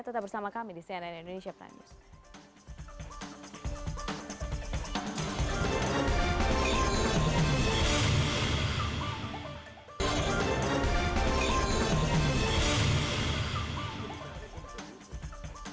tetap bersama kami di cnn indonesia prime news